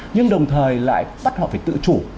nhưng đồng thời lại bắt họ phải tự chủ